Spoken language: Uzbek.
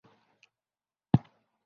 Orden xalta ichiga bir ko‘zlab qaradi.